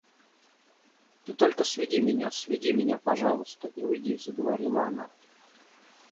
Ты только сведи меня, сведи меня, пожалуйста, и уйди, — заговорила она.